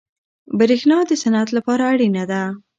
برښنا د صنعت لپاره اړینه ده.